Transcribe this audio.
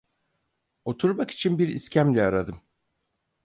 Oturmak için bir iskemle aradım.